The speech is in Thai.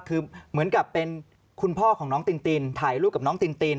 คือเหมือนกับเป็นคุณพ่อของน้องตินตินถ่ายรูปกับน้องตินติน